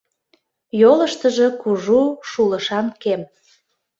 Йолыштыжо кужу шулышан кем.